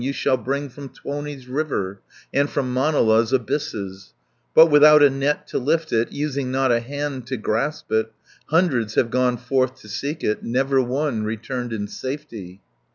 You shall bring from Tuoni's river, And from Manala's abysses; But without a net to lift it, Using not a hand to grasp it. 160 Hundreds have gone forth to seek it, Never one returned in safety."